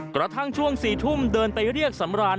กระทั่งช่วง๔ทุ่มเดินไปเรียกสำราญ